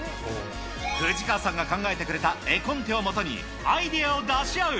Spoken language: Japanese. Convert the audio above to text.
藤川さんが考えてくれた絵コンテをもとに、アイデアを出し合う。